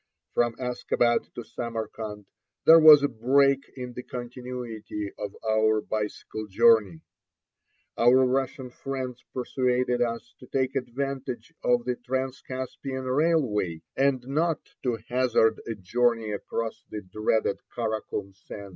From Askabad to Samarkand there was a break in the continuity of our bicycle journey. Our Russian friends persuaded us to take advantage of the Transcaspian railway, and not to hazard a journey across the dreaded Kara Kum sands.